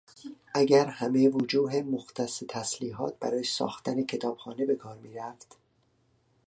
اگر همهی وجوهمختص تسلیحات برای ساختن کتابخانه بهکار میرفت...